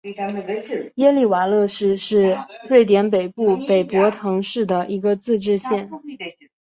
耶利瓦勒市是瑞典北部北博滕省的一个自治市。